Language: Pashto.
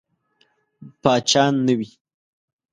پاچا نه وي.